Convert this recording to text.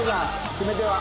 決め手は？